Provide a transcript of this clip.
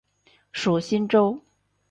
属新州。